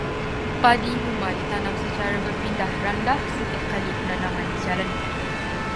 Padi huma ditanam secara berpindah-randah setiap kali penanaman dijalankan.